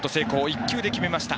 １球で決めました。